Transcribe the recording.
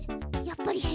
やっぱり変？